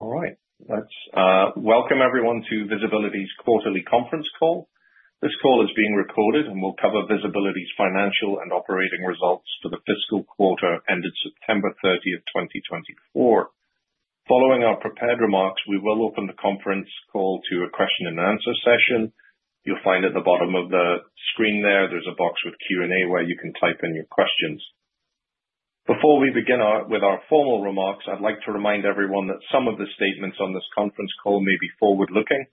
All right. Let's welcome everyone to VSBLTY's quarterly conference call. This call is being recorded and will cover VSBLTY's financial and operating results for the fiscal quarter ended September 30th, 2024. Following our prepared remarks, we will open the conference call to a question-and-answer session. You'll find at the bottom of the screen there there's a box with Q&A where you can type in your questions. Before we begin with our formal remarks, I'd like to remind everyone that some of the statements on this conference call may be forward-looking.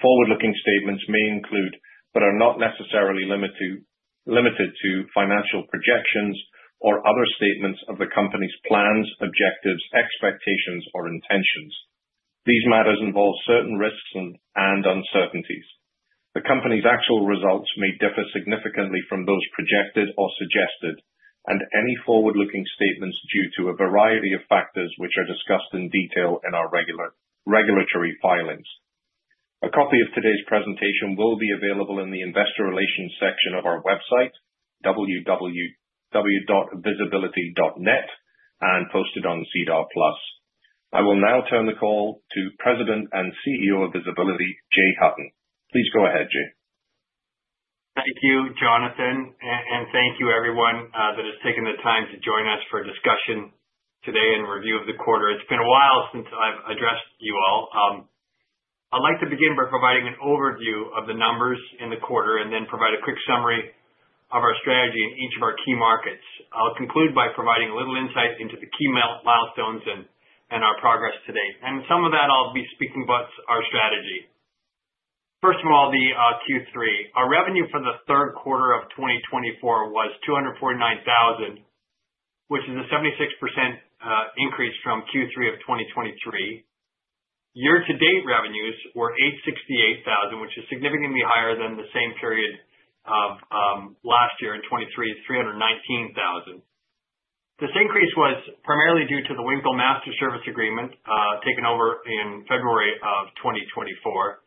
Forward-looking statements may include but are not necessarily limited to financial projections or other statements of the company's plans, objectives, expectations, or intentions. These matters involve certain risks and uncertainties. The company's actual results may differ significantly from those projected or suggested, and any forward-looking statements are due to a variety of factors which are discussed in detail in our regulatory filings. A copy of today's presentation will be available in the investor relations section of our website, www.vsblty.net, and posted on SEDAR+. I will now turn the call to President and CEO of VSBLTY, Jay Hutton. Please go ahead, Jay. Thank you, Jonathan, and thank you, everyone that has taken the time to join us for a discussion today and review of the quarter. It's been a while since I've addressed you all. I'd like to begin by providing an overview of the numbers in the quarter and then provide a quick summary of our strategy in each of our key markets. I'll conclude by providing a little insight into the key milestones and our progress today. And in some of that, I'll be speaking about our strategy. First of all, the Q3. Our revenue for the third quarter of 2024 was $249,000, which is a 76% increase from Q3 of 2023. Year-to-date revenues were $868,000, which is significantly higher than the same period of last year in 2023, $319,000. This increase was primarily due to the Winkel Master Service Agreement taken over in February of 2024,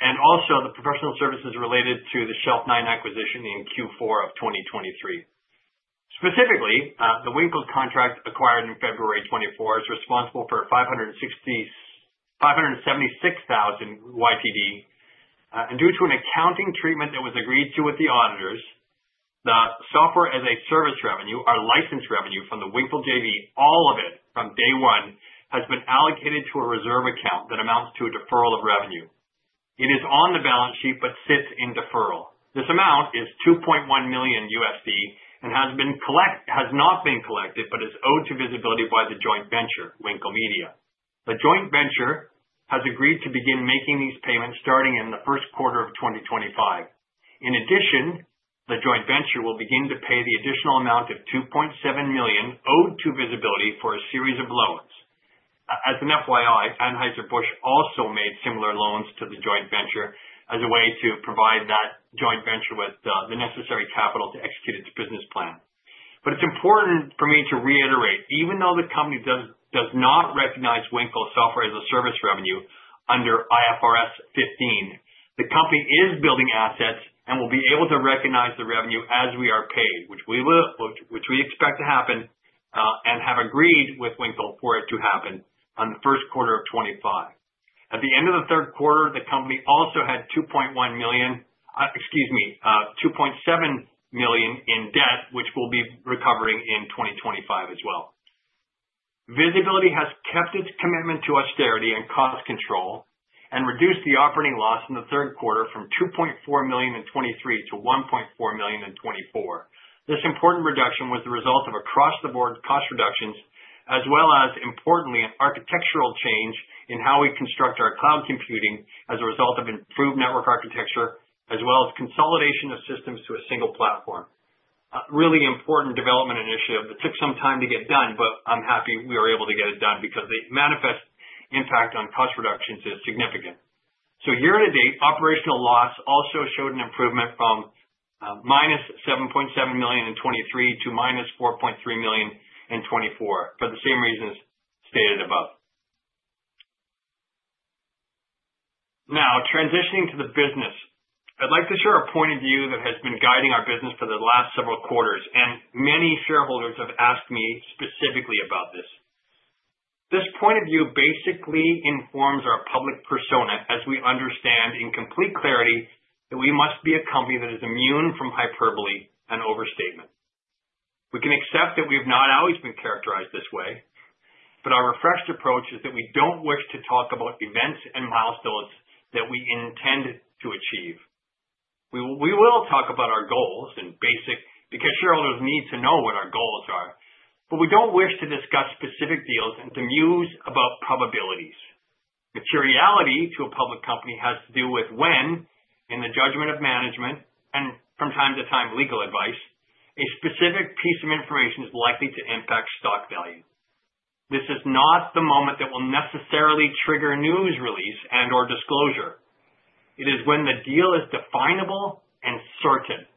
and also the professional services related to the Shelf Nine acquisition in Q4 of 2023. Specifically, the Winkel contract acquired in February 2024 is responsible for $576,000 YTD. And due to an accounting treatment that was agreed to with the auditors, the software as a service revenue, our license revenue from the Winkel JV, all of it from day one, has been allocated to a reserve account that amounts to a deferral of revenue. It is on the balance sheet but sits in deferral. This amount is $2.1 million and has not been collected but is owed to VSBLTY by the joint venture, Winkel Media. The joint venture has agreed to begin making these payments starting in the first quarter of 2025. In addition, the joint venture will begin to pay the additional amount of $2.7 million owed to VSBLTY for a series of loans. As an FYI, Anheuser-Busch also made similar loans to the joint venture as a way to provide that joint venture with the necessary capital to execute its business plan. But it's important for me to reiterate, even though the company does not recognize Winkel software as a service revenue under IFRS 15, the company is building assets and will be able to recognize the revenue as we are paid, which we expect to happen and have agreed with Winkel for it to happen on the first quarter of 2025. At the end of the third quarter, the company also had $2.1 million, excuse me, $2.7 million in debt, which will be recovering in 2025 as well. VSBLTY has kept its commitment to austerity and cost control and reduced the operating loss in the third quarter from $2.4 million in 2023 to $1.4 million in 2024. This important reduction was the result of across-the-board cost reductions, as well as, importantly, an architectural change in how we construct our cloud computing as a result of improved network architecture, as well as consolidation of systems to a single platform. Really important development initiative that took some time to get done, but I'm happy we were able to get it done because the manifest impact on cost reductions is significant. So year-to-date, operational loss also showed an improvement from minus $7.7 million in 2023 to minus $4.3 million in 2024 for the same reasons stated above. Now, transitioning to the business, I'd like to share a point of view that has been guiding our business for the last several quarters, and many shareholders have asked me specifically about this. This point of view basically informs our public persona as we understand in complete clarity that we must be a company that is immune from hyperbole and overstatement. We can accept that we have not always been characterized this way, but our refreshed approach is that we don't wish to talk about events and milestones that we intend to achieve. We will talk about our goals and basics because shareholders need to know what our goals are, but we don't wish to discuss specific deals and to muse about probabilities. Materiality to a public company has to do with when, in the judgment of management and from time to time legal advice, a specific piece of information is likely to impact stock value. This is not the moment that will necessarily trigger news release and/or disclosure. It is when the deal is definable and certain.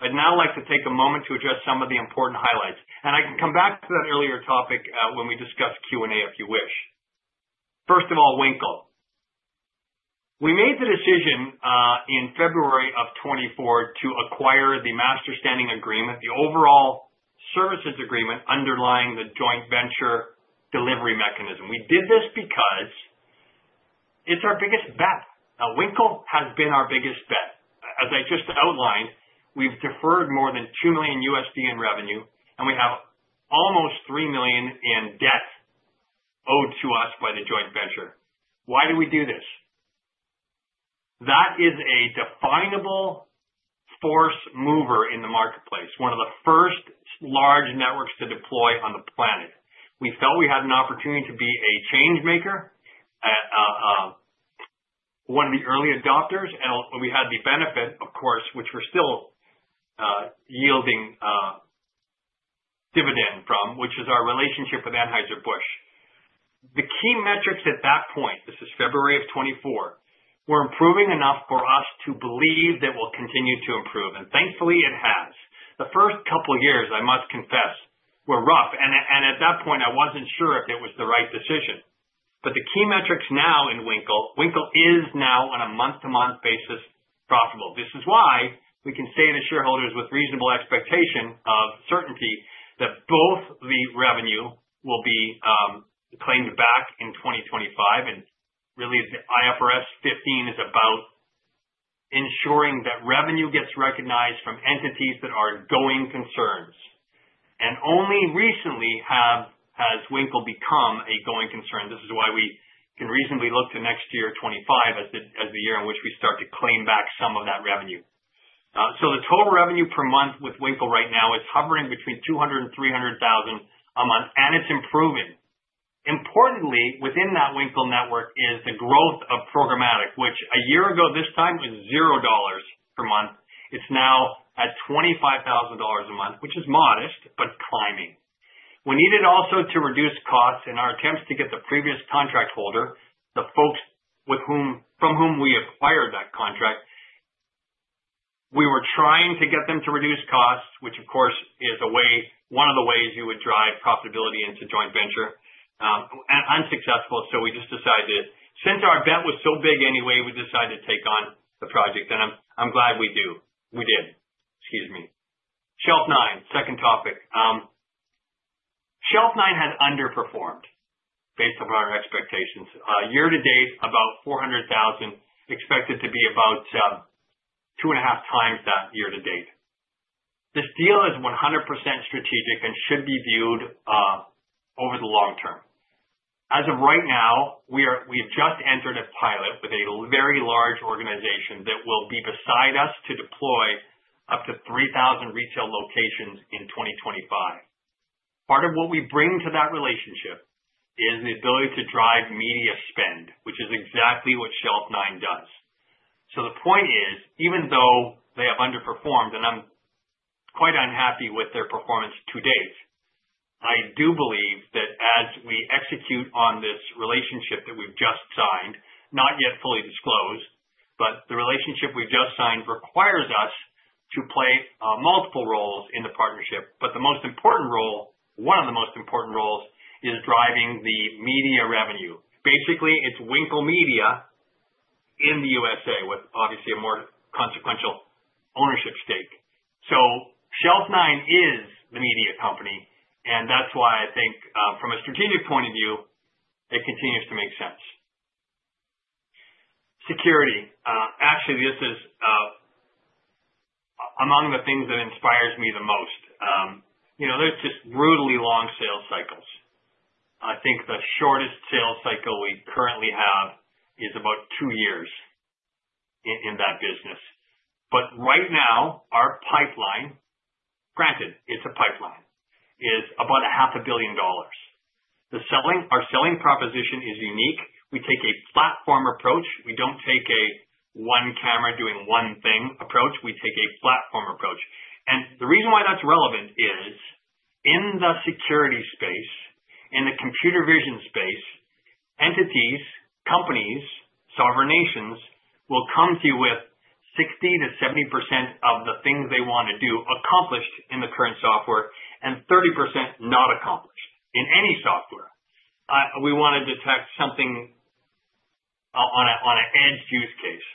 I'd now like to take a moment to address some of the important highlights, and I can come back to that earlier topic when we discuss Q&A if you wish. First of all, Winkel. We made the decision in February of 2024 to acquire the master service agreement, the overall services agreement underlying the joint venture delivery mechanism. We did this because it's our biggest bet. Winkel has been our biggest bet. As I just outlined, we've deferred more than $2 million in revenue, and we have almost $3 million in debt owed to us by the joint venture. Why did we do this? That is a definable force mover in the marketplace, one of the first large networks to deploy on the planet. We felt we had an opportunity to be a change maker, one of the early adopters, and we had the benefit, of course, which we're still yielding dividend from, which is our relationship with Anheuser-Busch. The key metrics at that point, this is February of 2024, were improving enough for us to believe that we'll continue to improve, and thankfully it has. The first couple of years, I must confess, were rough, and at that point, I wasn't sure if it was the right decision. But the key metrics now in Winkel, Winkel is now on a month-to-month basis profitable. This is why we can say to shareholders with reasonable expectation of certainty that both the revenue will be claimed back in 2025, and really the IFRS 15 is about ensuring that revenue gets recognized from entities that are going concerns. And only recently has Winkel become a going concern. This is why we can reasonably look to next year 2025 as the year in which we start to claim back some of that revenue. So the total revenue per month with Winkel right now is hovering between $200,000 and $300,000 a month, and it's improving. Importantly, within that Winkel network is the growth of programmatic, which a year ago this time was $0 per month. It's now at $25,000 a month, which is modest but climbing. We needed also to reduce costs in our attempts to get the previous contract holder, the folks from whom we acquired that contract. We were trying to get them to reduce costs, which of course is one of the ways you would drive profitability into joint venture. Unsuccessful, so we just decided to, since our bet was so big anyway, we decided to take on the project, and I'm glad we did. Excuse me. Shelf Nine, second topic. Shelf Nine has underperformed based on our expectations. Year-to-date, about 400,000, expected to be about two and a half times that year-to-date. This deal is 100% strategic and should be viewed over the long term. As of right now, we have just entered a pilot with a very large organization that will be beside us to deploy up to 3,000 retail locations in 2025. Part of what we bring to that relationship is the ability to drive media spend, which is exactly what Shelf Nine does. So the point is, even though they have underperformed, and I'm quite unhappy with their performance to date, I do believe that as we execute on this relationship that we've just signed, not yet fully disclosed, but the relationship we've just signed requires us to play multiple roles in the partnership. But the most important role, one of the most important roles, is driving the media revenue. Basically, it's Winkel Media in the USA with obviously a more consequential ownership stake. So Shelf Nine is the media company, and that's why I think from a strategic point of view, it continues to make sense. Security. Actually, this is among the things that inspires me the most. There's just brutally long sales cycles. I think the shortest sales cycle we currently have is about two years in that business. But right now, our pipeline, granted, it's a pipeline, is about $500 million. Our selling proposition is unique. We take a platform approach. We don't take a one camera doing one thing approach. We take a platform approach. And the reason why that's relevant is in the security space, in the computer vision space, entities, companies, sovereign nations will come to you with 60%-70% of the things they want to do accomplished in the current software and 30% not accomplished in any software. We want to detect something on an edge use case.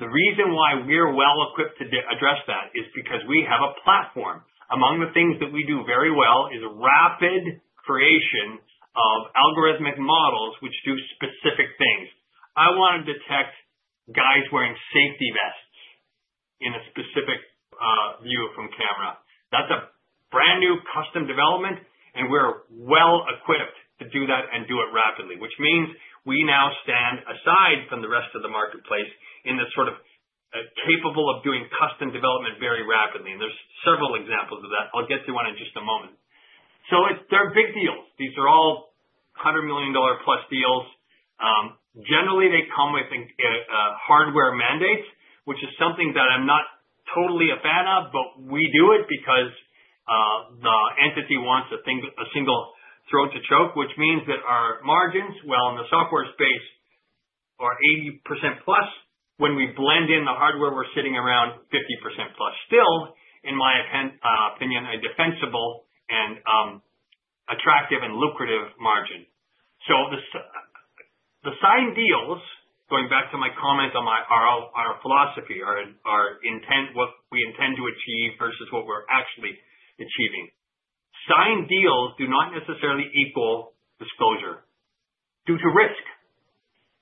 The reason why we're well equipped to address that is because we have a platform. Among the things that we do very well is rapid creation of algorithmic models which do specific things. I want to detect guys wearing safety vests in a specific view from camera. That's a brand new custom development, and we're well equipped to do that and do it rapidly, which means we now stand aside from the rest of the marketplace in the sort of capable of doing custom development very rapidly. And there's several examples of that. I'll get to one in just a moment. So they're big deals. These are all $100 million+ deals. Generally, they come with hardware mandates, which is something that I'm not totally a fan of, but we do it because the entity wants a single throat to choke, which means that our margins, well, in the software space, are 80%+ when we blend in the hardware we're sitting around 50%+. Still, in my opinion, a defensible and attractive and lucrative margin. The signed deals, going back to my comment on our philosophy, what we intend to achieve versus what we're actually achieving. Signed deals do not necessarily equal disclosure due to risk.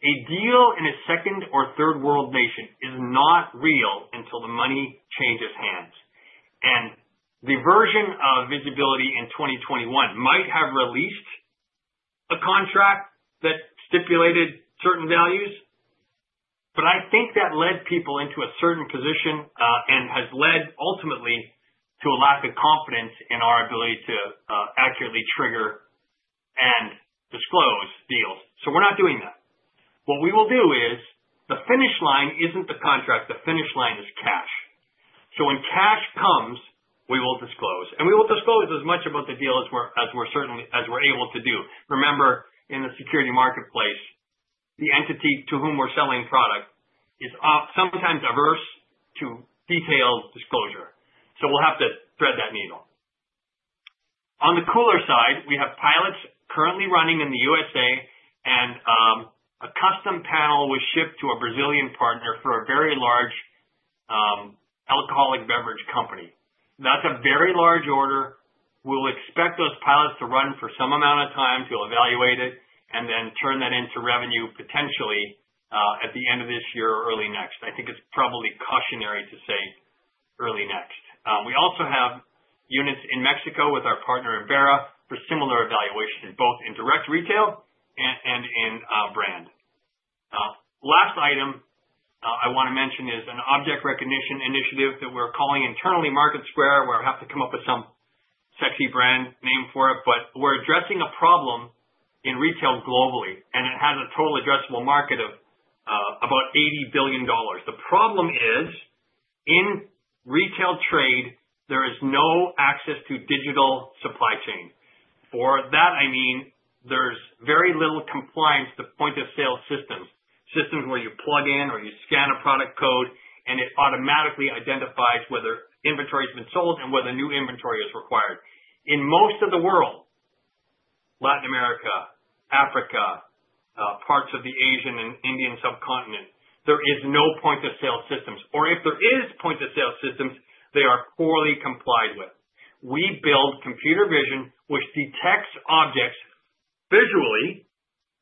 A deal in a second or third world nation is not real until the money changes hands. And the version of VSBLTY in 2021 might have released a contract that stipulated certain values, but I think that led people into a certain position and has led ultimately to a lack of confidence in our ability to accurately trigger and disclose deals. So we're not doing that. What we will do is the finish line isn't the contract. The finish line is cash. So when cash comes, we will disclose. And we will disclose as much about the deal as we're able to do. Remember, in the security marketplace, the entity to whom we're selling product is sometimes averse to detailed disclosure. So we'll have to thread that needle. On the cooler side, we have pilots currently running in the USA, and a custom panel was shipped to a Brazilian partner for a very large alcoholic beverage company. That's a very large order. We'll expect those pilots to run for some amount of time to evaluate it and then turn that into revenue potentially at the end of this year or early next. I think it's probably cautionary to say early next. We also have units in Mexico with our partner Imbera for similar evaluation, both in direct retail and in brand. Last item I want to mention is an object recognition initiative that we're calling internally Market Square, where I have to come up with some sexy brand name for it, but we're addressing a problem in retail globally, and it has a total addressable market of about $80 billion. The problem is, in retail trade, there is no access to digital supply chain. For that, I mean, there's very little compliance to point-of-sale systems, systems where you plug in or you scan a product code, and it automatically identifies whether inventory has been sold and whether new inventory is required. In most of the world, Latin America, Africa, parts of the Asian and Indian subcontinent, there is no point-of-sale systems. Or if there is point-of-sale systems, they are poorly complied with. We build computer vision, which detects objects visually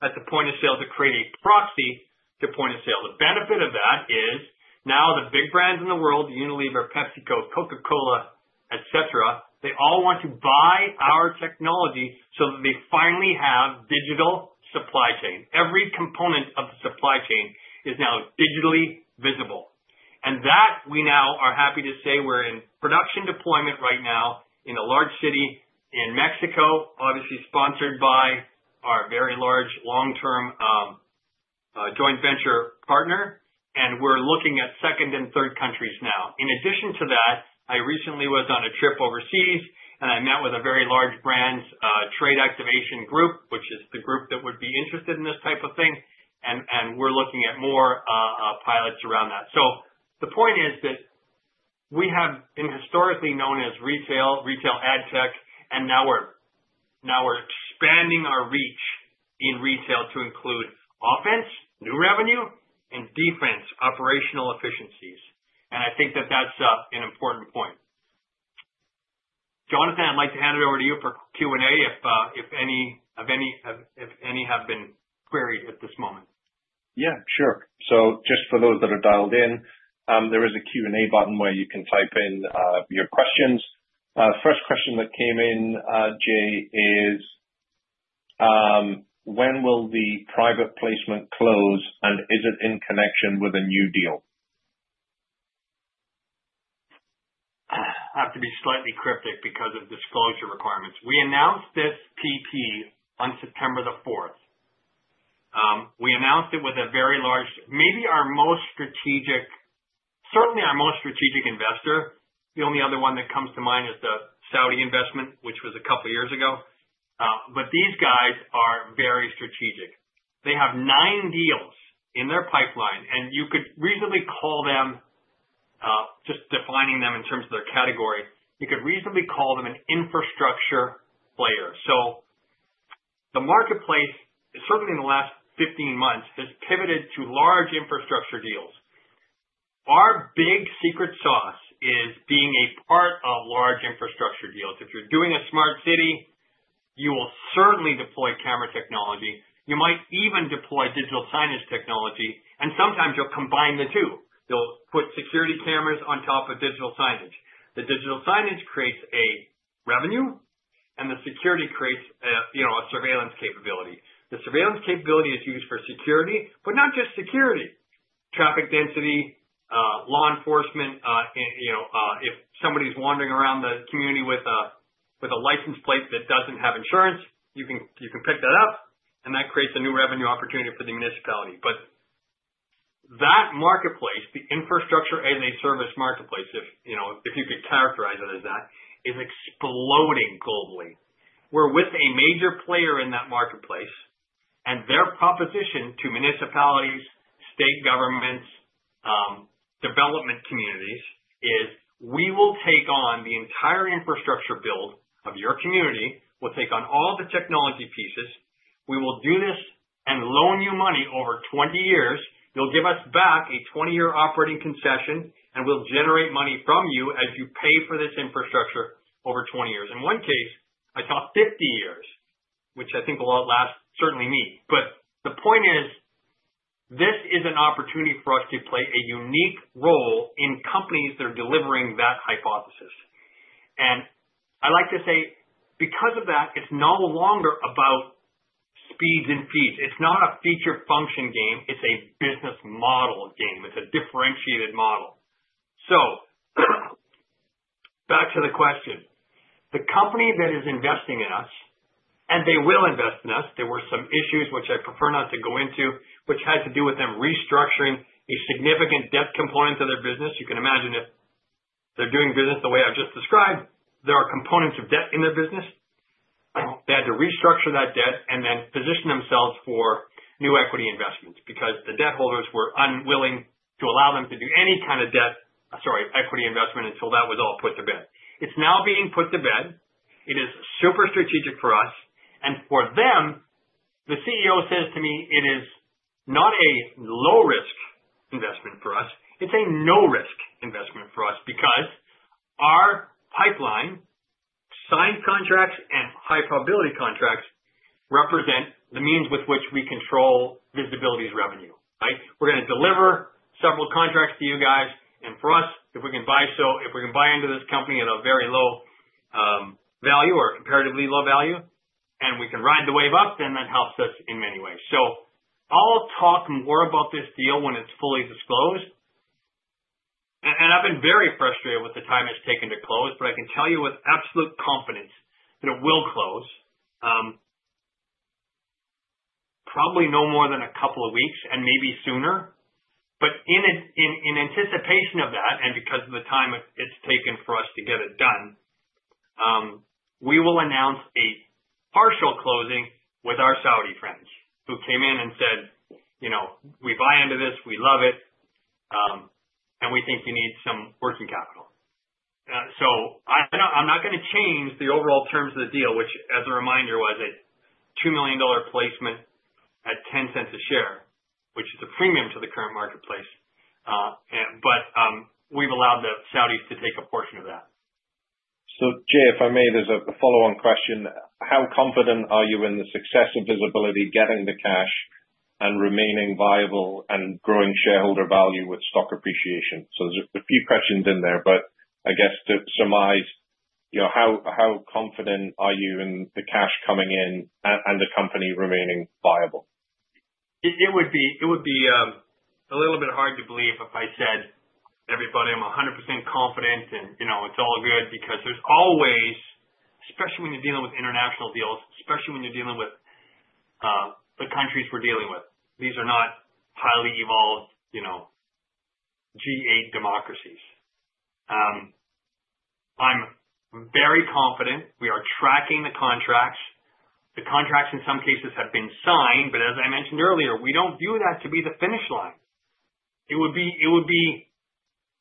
at the point of sale to create a proxy to point of sale. The benefit of that is now the big brands in the world, Unilever, PepsiCo, Coca-Cola, etc., they all want to buy our technology so that they finally have digital supply chain. Every component of the supply chain is now digitally visible, and that we now are happy to say we're in production deployment right now in a large city in Mexico, obviously sponsored by our very large long-term joint venture partner, and we're looking at second and third countries now. In addition to that, I recently was on a trip overseas, and I met with a very large brand's trade activation group, which is the group that would be interested in this type of thing, and we're looking at more pilots around that. So the point is that we have been historically known as retail, retail ad tech, and now we're expanding our reach in retail to include offense, new revenue, and defense, operational efficiencies. And I think that that's an important point. Jonathan, I'd like to hand it over to you for Q&A if any have been queried at this moment. Yeah, sure. So just for those that are dialed in, there is a Q&A button where you can type in your questions. First question that came in, Jay, is, when will the private placement close and is it in connection with a new deal? I have to be slightly cryptic because of disclosure requirements. We announced this PP on September the 4th. We announced it with a very large, maybe our most strategic, certainly our most strategic investor. The only other one that comes to mind is the Saudi investment, which was a couple of years ago. But these guys are very strategic. They have nine deals in their pipeline, and you could reasonably call them, just defining them in terms of their category, you could reasonably call them an infrastructure player. So the marketplace, certainly in the last 15 months, has pivoted to large infrastructure deals. Our big secret sauce is being a part of large infrastructure deals. If you're doing a smart city, you will certainly deploy camera technology. You might even deploy digital signage technology, and sometimes you'll combine the two. You'll put security cameras on top of digital signage. The digital signage creates a revenue, and the security creates a surveillance capability. The surveillance capability is used for security, but not just security. Traffic density, law enforcement, if somebody's wandering around the community with a license plate that doesn't have insurance, you can pick that up, and that creates a new revenue opportunity for the municipality. But that marketplace, the infrastructure as a service marketplace, if you could characterize it as that, is exploding globally. We're with a major player in that marketplace, and their proposition to municipalities, state governments, development communities is, we will take on the entire infrastructure build of your community. We'll take on all the technology pieces. We will do this and loan you money over 20 years. You'll give us back a 20-year operating concession, and we'll generate money from you as you pay for this infrastructure over 20 years. In one case, I talked 50 years, which I think will outlast certainly me. But the point is, this is an opportunity for us to play a unique role in companies that are delivering that hypothesis. And I like to say, because of that, it's no longer about speeds and fees. It's not a feature function game. It's a business model game. It's a differentiated model. So back to the question. The company that is investing in us, and they will invest in us, there were some issues which I prefer not to go into, which had to do with them restructuring a significant debt component of their business. You can imagine if they're doing business the way I've just described, there are components of debt in their business. They had to restructure that debt and then position themselves for new equity investments because the debt holders were unwilling to allow them to do any kind of debt, sorry, equity investment until that was all put to bed. It's now being put to bed. It is super strategic for us. And for them, the CEO says to me, it is not a low-risk investment for us. It's a no-risk investment for us because our pipeline, signed contracts and high-probability contracts represent the means with which we control VSBLTY's revenue. Right? We're going to deliver several contracts to you guys. And for us, if we can buy into this company at a very low value or comparatively low value, and we can ride the wave up, then that helps us in many ways. So I'll talk more about this deal when it's fully disclosed. I've been very frustrated with the time it's taken to close, but I can tell you with absolute confidence that it will close, probably no more than a couple of weeks and maybe sooner. But in anticipation of that, and because of the time it's taken for us to get it done, we will announce a partial closing with our Saudi friends who came in and said, "We buy into this. We love it. And we think you need some working capital." So I'm not going to change the overall terms of the deal, which, as a reminder, was a $2 million placement at $0.10 a share, which is a premium to the current marketplace. But we've allowed the Saudis to take a portion of that. So Jay, if I may, there's a follow-on question. How confident are you in the success of VSBLTY getting the cash and remaining viable and growing shareholder value with stock appreciation? So there's a few questions in there, but I guess to surmise, how confident are you in the cash coming in and the company remaining viable? It would be a little bit hard to believe if I said, "Everybody, I'm 100% confident and it's all good," because there's always, especially when you're dealing with international deals, especially when you're dealing with the countries we're dealing with, these are not highly evolved G8 democracies. I'm very confident. We are tracking the contracts. The contracts in some cases have been signed, but as I mentioned earlier, we don't view that to be the finish line. It would be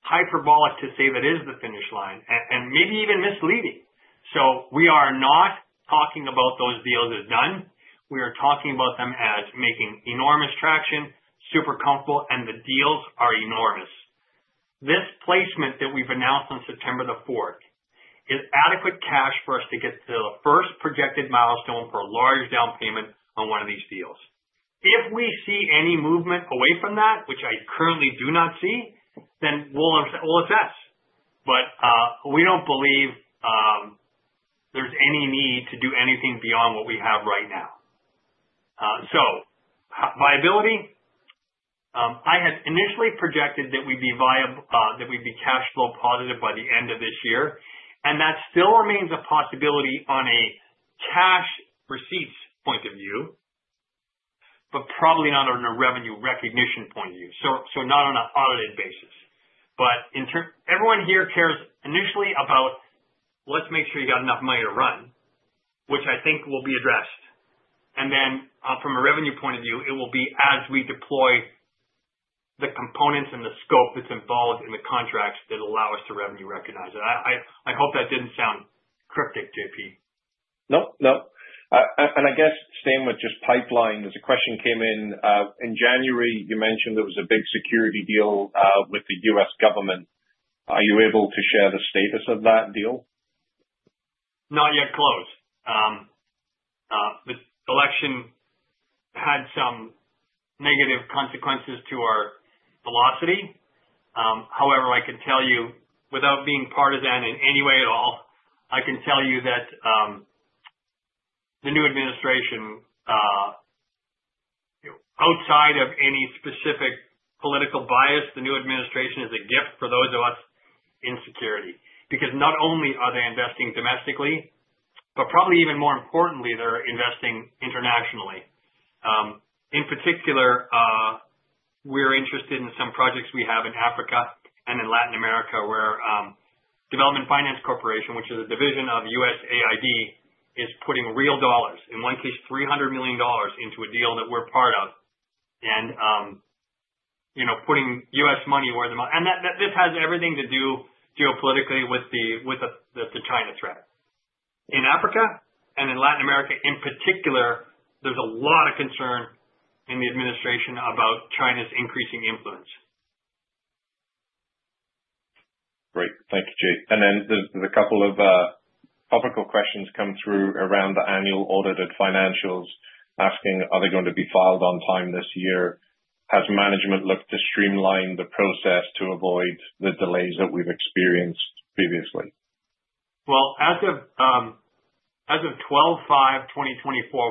hyperbolic to say that is the finish line and maybe even misleading. So we are not talking about those deals as done. We are talking about them as making enormous traction, super comfortable, and the deals are enormous. This placement that we've announced on September the 4th is adequate cash for us to get to the first projected milestone for a large down payment on one of these deals. If we see any movement away from that, which I currently do not see, then we'll assess. But we don't believe there's any need to do anything beyond what we have right now. So viability, I had initially projected that we'd be cash flow positive by the end of this year, and that still remains a possibility on a cash receipts point of view, but probably not on a revenue recognition point of view. So not on an audited basis. But everyone here cares initially about, "Let's make sure you got enough money to run," which I think will be addressed. And then from a revenue point of view, it will be as we deploy the components and the scope that's involved in the contracts that allow us to revenue recognize. I hope that didn't sound cryptic, JP. No, no. And I guess same with just pipeline. There's a question came in. In January, you mentioned there was a big security deal with the U.S. government. Are you able to share the status of that deal? Not yet closed. The election had some negative consequences to our velocity. However, I can tell you, without being partisan in any way at all, I can tell you that the new administration, outside of any specific political bias, the new administration is a gift for those of us in security because not only are they investing domestically, but probably even more importantly, they're investing internationally. In particular, we're interested in some projects we have in Africa and in Latin America where U.S. International Development Finance Corporation, which is a division of USAID, is putting real dollars, in one case, $300 million into a deal that we're part of and putting US money where the and this has everything to do geopolitically with the China threat. In Africa and in Latin America in particular, there's a lot of concern in the administration about China's increasing influence. Great. Thank you, Jay. And then there's a couple of topical questions come through around the annual audited financials asking, are they going to be filed on time this year? Has management looked to streamline the process to avoid the delays that we've experienced previously? As of 12/5/2024,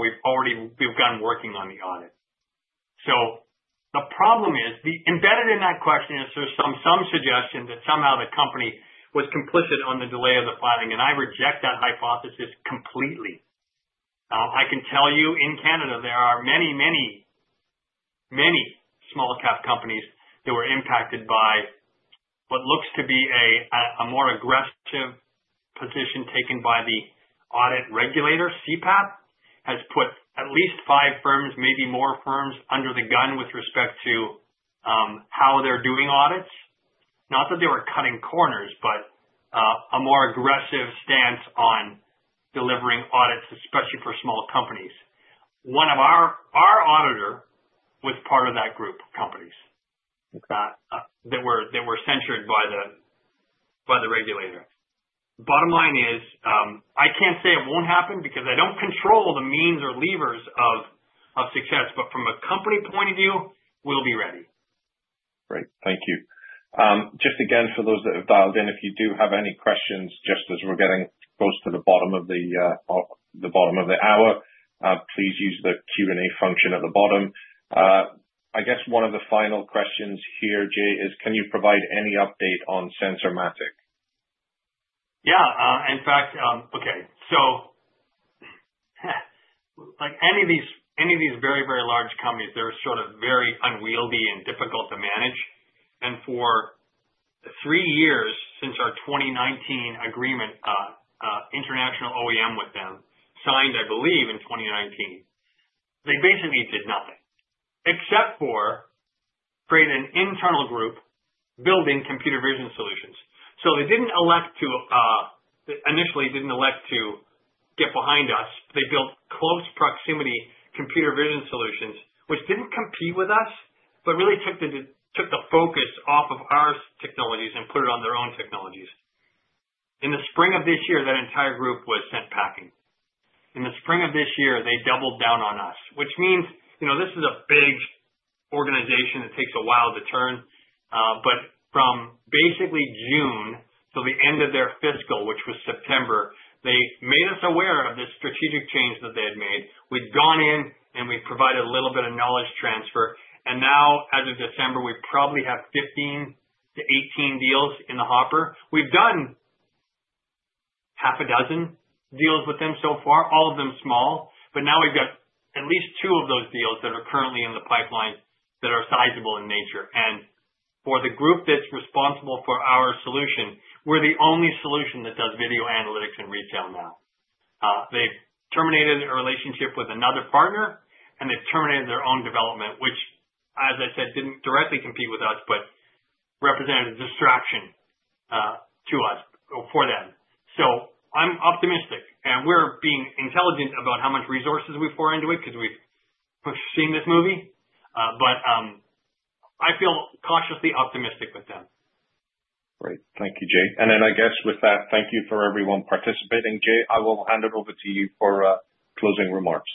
we've gone working on the audit. So the problem is, embedded in that question, there's some suggestion that somehow the company was complicit on the delay of the filing, and I reject that hypothesis completely. I can tell you in Canada, there are many, many, many small-cap companies that were impacted by what looks to be a more aggressive position taken by the audit regulator, CPAB, has put at least five firms, maybe more firms, under the gun with respect to how they're doing audits. Not that they were cutting corners, but a more aggressive stance on delivering audits, especially for small companies. One of our auditor was part of that group of companies that were censured by the regulator. Bottom line is, I can't say it won't happen because I don't control the means or levers of success, but from a company point of view, we'll be ready. Great. Thank you. Just again, for those that have dialed in, if you do have any questions, just as we're getting close to the bottom of the hour, please use the Q&A function at the bottom. I guess one of the final questions here, Jay, is, can you provide any update on Sensormatic? Yeah. In fact, okay. So any of these very, very large companies, they're sort of very unwieldy and difficult to manage. And for three years since our 2019 agreement, international OEM with them signed, I believe, in 2019, they basically did nothing except for creating an internal group building computer vision solutions. So they didn't elect to, initially, they didn't elect to get behind us. They built close proximity computer vision solutions, which didn't compete with us, but really took the focus off of our technologies and put it on their own technologies. In the spring of this year, that entire group was sent packing. In the spring of this year, they doubled down on us, which means this is a big organization. It takes a while to turn. But from basically June till the end of their fiscal, which was September, they made us aware of this strategic change that they had made. We'd gone in and we provided a little bit of knowledge transfer. And now, as of December, we probably have 15-18 deals in the hopper. We've done half a dozen deals with them so far, all of them small. But now we've got at least two of those deals that are currently in the pipeline that are sizable in nature. And for the group that's responsible for our solution, we're the only solution that does video analytics and retail now. They've terminated a relationship with another partner, and they've terminated their own development, which, as I said, didn't directly compete with us, but represented a distraction to us or for them. So I'm optimistic, and we're being intelligent about how much resources we pour into it because we've seen this movie. But I feel cautiously optimistic with them. Great. Thank you, Jay. And then I guess with that, thank you for everyone participating. Jay, I will hand it over to you for closing remarks.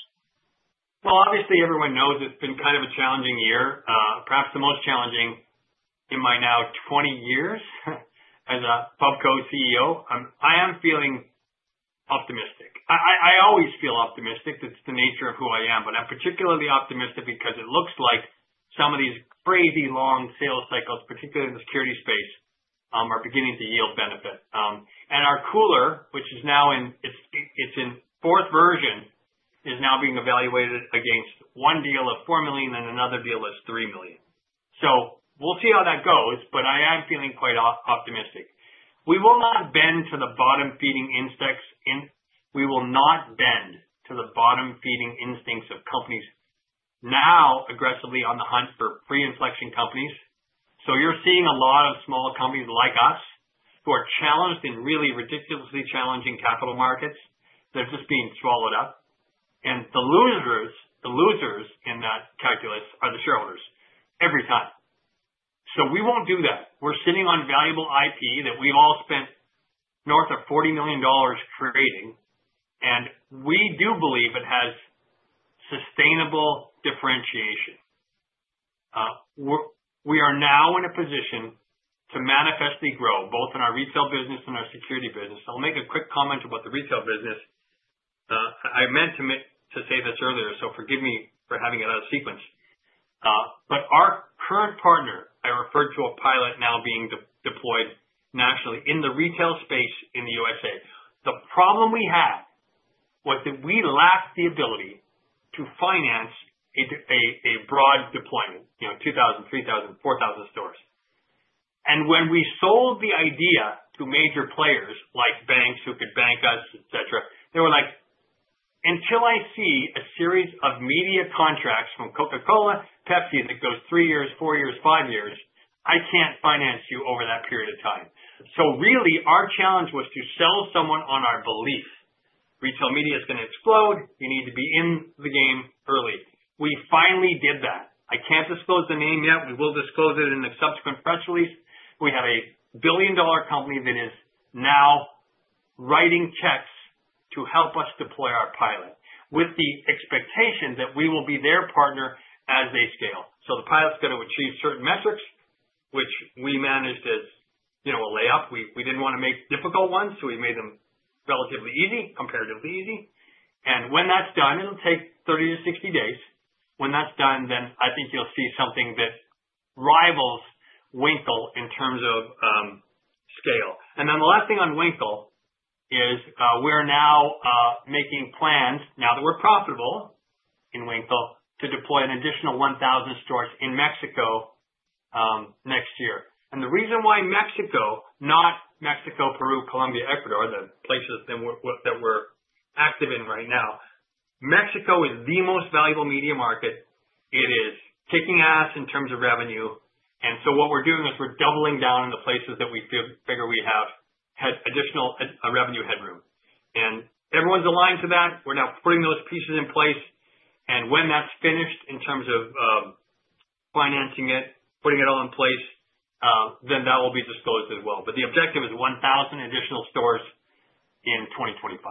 Obviously, everyone knows it's been kind of a challenging year, perhaps the most challenging in my now 20 years as a pubco CEO. I am feeling optimistic. I always feel optimistic. That's the nature of who I am. But I'm particularly optimistic because it looks like some of these crazy long sales cycles, particularly in the security space, are beginning to yield benefit. And our cooler, which is now in its fourth version, is now being evaluated against one deal of $4 million and another deal of $3 million. So we'll see how that goes, but I am feeling quite optimistic. We will not bend to the bottom-feeding instincts of companies now aggressively on the hunt for pre-inflection companies. So you're seeing a lot of small companies like us who are challenged in really ridiculously challenging capital markets that are just being swallowed up. And the losers in that calculus are the shareholders every time. So we won't do that. We're sitting on valuable IP that we've all spent north of $40 million creating, and we do believe it has sustainable differentiation. We are now in a position to manifestly grow both in our retail business and our security business. I'll make a quick comment about the retail business. I meant to say this earlier, so forgive me for having it out of sequence. But our current partner, I referred to a pilot now being deployed nationally in the retail space in the USA. The problem we had was that we lacked the ability to finance a broad deployment, 2,000, 3,000, 4,000 stores. And when we sold the idea to major players like banks who could bank us, etc., they were like, "Until I see a series of media contracts from Coca-Cola, Pepsi, that goes three years, four years, five years, I can't finance you over that period of time." So really, our challenge was to sell someone on our belief, "Retail media is going to explode. You need to be in the game early." We finally did that. I can't disclose the name yet. We will disclose it in the subsequent press release. We have a billion-dollar company that is now writing checks to help us deploy our pilot with the expectation that we will be their partner as they scale. So the pilot's going to achieve certain metrics, which we managed as a layup. We didn't want to make difficult ones, so we made them relatively easy, comparatively easy. When that's done, it'll take 30 to 60 days. When that's done, then I think you'll see something that rivals Winkel in terms of scale. The last thing on Winkel is we're now making plans, now that we're profitable in Winkel, to deploy an additional 1,000 stores in Mexico next year. The reason why Mexico, not Peru, Colombia, Ecuador, the places that we're active in right now, is Mexico is the most valuable media market. It is kicking ass in terms of revenue. What we're doing is we're doubling down in the places that we figure we have additional revenue headroom. Everyone's aligned to that. We're now putting those pieces in place. When that's finished in terms of financing it, putting it all in place, then that will be disclosed as well. The objective is 1,000 additional stores in 2025.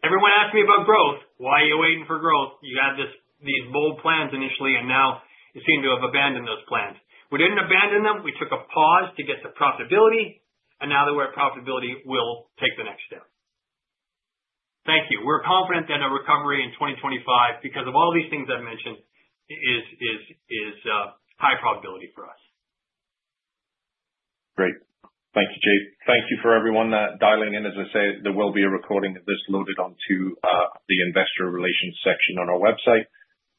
Everyone asked me about growth. Why are you waiting for growth? You had these bold plans initially, and now you seem to have abandoned those plans. We didn't abandon them. We took a pause to get to profitability, and now that we're at profitability, we'll take the next step. Thank you. We're confident that a recovery in 2025, because of all these things I've mentioned, is high probability for us. Great. Thank you, Jay. Thank you for everyone dialing in. As I say, there will be a recording of this loaded onto the investor relations section on our website.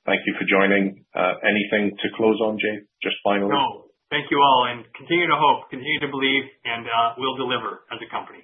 Thank you for joining. Anything to close on, Jay? Just final. No. Thank you all, and continue to hope, continue to believe, and we'll deliver as a company.